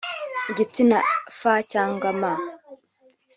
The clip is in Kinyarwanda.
Igitsina (F cyangwa M)